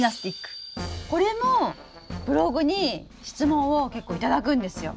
これもブログに質問を結構頂くんですよ。